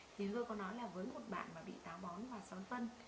thì tôi có nói là với một bạn mà bị táo bón và xoán phân